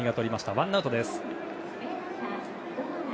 ワンアウトです。